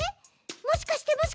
もしかしてもしかして！